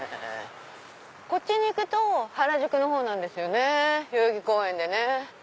こっちに行くと原宿のほうですね代々木公園でね。